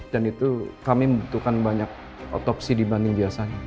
dan itu kami membutuhkan banyak otopsi dibanding biasanya